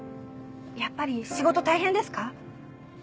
やっぱり仕事大変ですか？